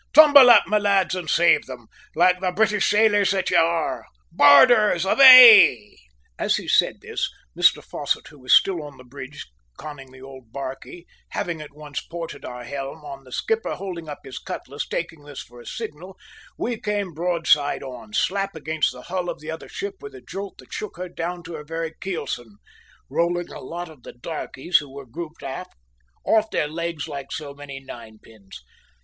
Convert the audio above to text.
Tumble up, my lads, and save them, like the British sailors that you are! Boarders, away!" As he said this, Mr Fosset, who was still on the bridge conning the old barquey, having at once ported our helm, on the skipper holding up his cutlass, taking this for a signal, we came broadside on, slap against the hull of the other ship with a jolt that shook her down to her very kelson, rolling a lot of the darkies, who were grouped aft, off their legs like so many ninepins.